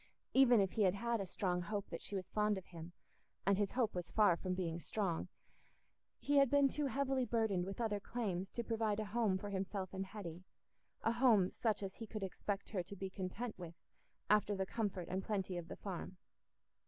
Even if he had had a strong hope that she was fond of him—and his hope was far from being strong—he had been too heavily burdened with other claims to provide a home for himself and Hetty—a home such as he could expect her to be content with after the comfort and plenty of the Farm.